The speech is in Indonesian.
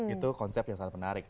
itu konsep yang sangat menarik